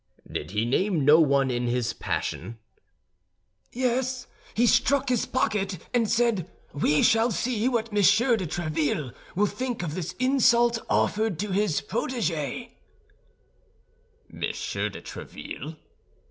"Did he name no one in his passion?" "Yes; he struck his pocket and said, 'We shall see what Monsieur de Tréville will think of this insult offered to his protégé.'" "Monsieur de Tréville?"